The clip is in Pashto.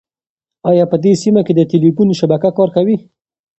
ایا په دې سیمه کې د تېلیفون شبکه کار کوي؟